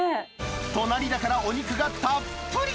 隣だからお肉がたっぷり。